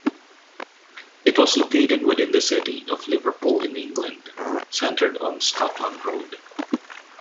It was located within the city of Liverpool in England, centred on Scotland Road.